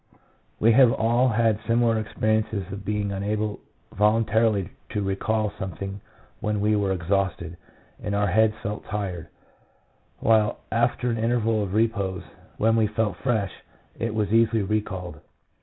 We have all had similiar experiences of being un able voluntarily to recall something when we were exhausted and our heads felt tired, while after an interval of repose, when we felt fresh, it was easily recalled.